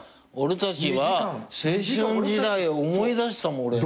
俺たちは青春時代を思い出したもん。